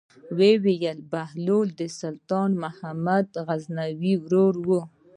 وايي بهلول د سلطان محمود غزنوي ورور و.